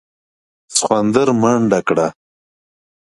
سخوندر منډه کړه.